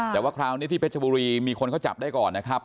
แต่ว่าคราวนี้ที่เพชรบุรีมีคนเขาจับได้ก่อนนะครับ